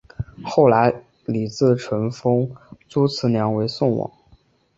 后来李自成封朱慈烺为宋王。